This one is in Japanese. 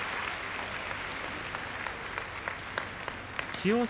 千代翔